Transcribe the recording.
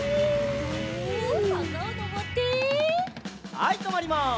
はいとまります。